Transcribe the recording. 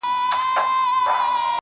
گلي پر ملا باندي راماته نسې,